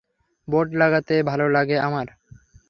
Board লাগাতে ভালো লাগে আমার।